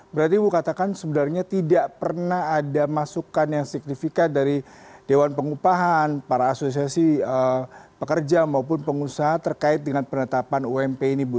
berarti ibu katakan sebenarnya tidak pernah ada masukan yang signifikan dari dewan pengupahan para asosiasi pekerja maupun pengusaha terkait dengan penetapan ump ini bu